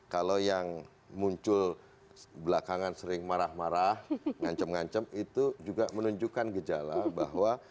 kalau yang muncul belakangan sering marah marah ngancam ngancam itu juga menunjukkan gejala bahwa